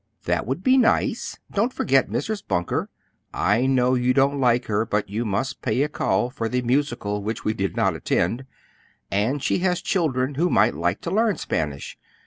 "That would be nice; don't forget Mrs. Bunker. I know you don't like her, but you must pay a call for the musical which we did not attend; and she has children who might like to learn Spanish.